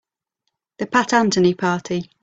The Pat Anthony Party.